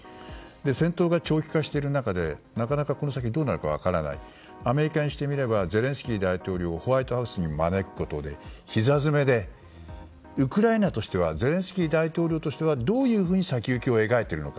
戦闘が長期化している中なかなかこの先どうなるか分からないアメリカにしてみればゼレンスキー大統領をホワイトハウスに招くことで、ひざ詰めでウクライナとしてはゼレンスキー大統領としてはどういうふうに先行きを描いているのか。